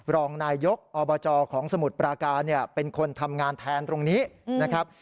รองนายยกอบจของสมุทรปราการเป็นคนทำงานแทนตรงนี้นะครับ